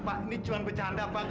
pak ini cuma bercanda pak